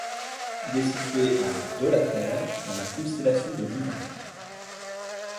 Il est situé à de la Terre dans la constellation de l'Hydre.